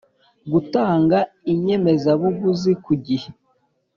gutanga inyemezabuguzi kugihe